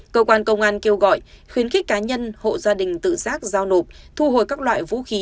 cơ quan công an kêu gọi khuyến khích cá nhân hộ gia đình tự giác giao nộp thu hồi các loại vũ khí